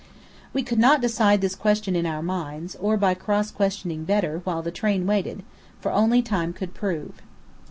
We could not decide this question in our minds, or by cross questioning Bedr, while the train waited, for only time could prove.